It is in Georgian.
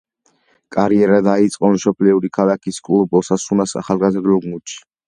კარიერა დაიწყო მშობლიური ქალაქის კლუბ „ოსასუნას“ ახალგაზრდულ გუნდში.